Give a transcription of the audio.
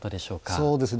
そうですね。